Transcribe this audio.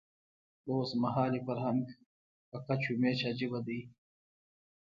د اوسمهالي فرهنګ په کچ و میچ عجیبه دی.